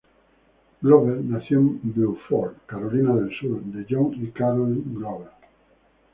Glover nació en Beaufort, Carolina del Sur, de John y Carole Glover.